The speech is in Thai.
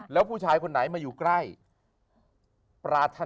แล้วผู้ชายคนไหนมาอยู่ใกล้